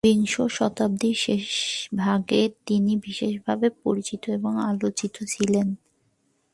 বিংশ শতাব্দীর শেষ ভাগে তিনি বিশেষভাবে পরিচিত এবং আলোচিত ছিলেন।